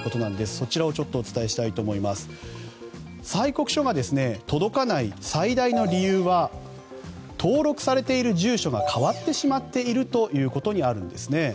そちらをお伝えしたいと思いますが催告書が届かない最大の理由は登録されている住所が変わってしまっているということにあるんですね。